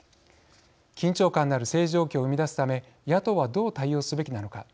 緊張感のある政治状況を生み出すため野党はどう対応すべきなのか。